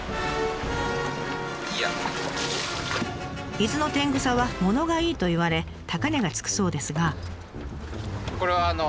伊豆のテングサはものがいいといわれ高値がつくそうですが。